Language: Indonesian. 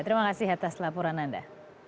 terima kasih atas laporan anda